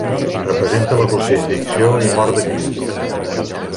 Representa la crucifixió i mort de Crist.